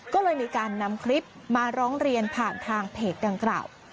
ก็เลยมีการนำคลิปมาร้องเรียนผ่านทางเพจดังกล่าว